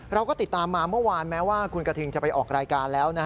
เราก็ติดตามมาเมื่อวานแม้ว่าคุณกระทิงจะไปออกรายการแล้ว